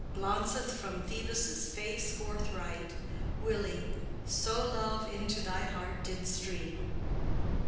Glaunceth from Phoebus' face forthright, W. So love into thy heart did streame."